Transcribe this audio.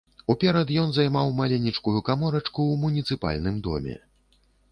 Уперад ён займаў маленечкую каморачку ў муніцыпальным доме.